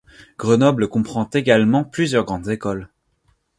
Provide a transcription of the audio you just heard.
Grenoble comprend également plusieurs grandes écoles.